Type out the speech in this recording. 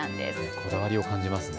こだわりを感じますね。